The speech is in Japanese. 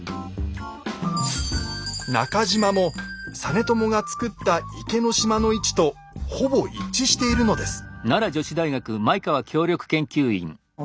中島も実朝が造った池の島の位置とほぼ一致しているのです。